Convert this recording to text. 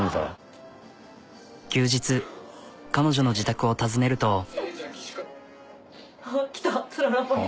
休日彼女の自宅を訪ねると。